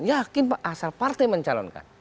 yakin pak asal partai mencalonkan